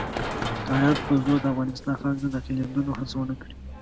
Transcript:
که هیات په زور د افغانستان خاورې ته داخلېدلو هڅه ونه کړي.